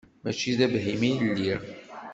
Mačči d abhim i lliɣ.